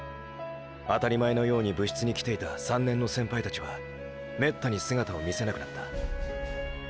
あたり前のように部室に来ていた３年の先輩たちはめったに姿を見せなくなった。